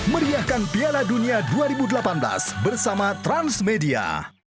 meriahkan piala dunia dua ribu delapan belas bersama transmedia